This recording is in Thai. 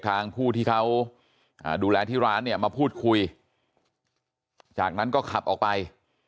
ทางผู้ที่เขาดูแลที่ร้านเนี่ยมาพูดคุยจากนั้นก็ขับออกไป